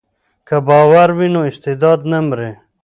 که باور وي نو استعداد نه مري.